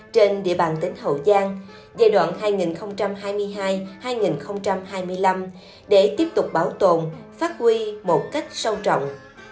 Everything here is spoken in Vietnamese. trên địa bàn tỉnh hậu giang giai đoạn hai nghìn hai mươi hai hai nghìn hai mươi năm để tiếp tục bảo tồn phát huy một cách sâu trọng